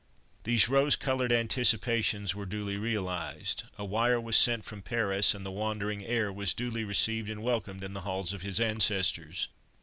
These rose coloured anticipations were duly realised. A wire was sent from Paris, and the "wandering heir" was duly received and welcomed in the halls of his ancestors.